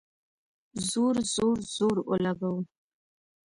زور ، زور، زور اولګوو